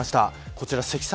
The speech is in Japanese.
こちら積算